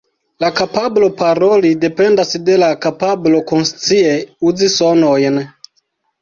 La kapablo paroli dependas de la kapablo konscie uzi sonojn.